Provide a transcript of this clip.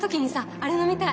あれ飲みたい！